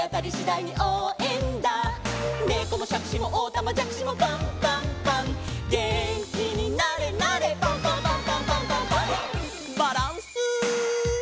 「ねこもしゃくしもおたまじゃくしもパンパンパン」「げんきになれなれパンパンパンパンパンパンパン」バランス。